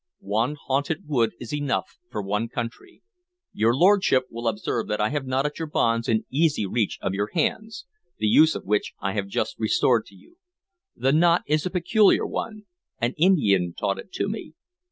One haunted wood is enough for one county. Your lordship will observe that I have knotted your bonds in easy reach of your hands, the use of which I have just restored to you. The knot is a peculiar one; an Indian taught it to me.